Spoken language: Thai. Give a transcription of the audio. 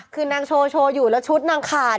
คือนางโชว์โชว์อยู่แล้วชุดนางขาด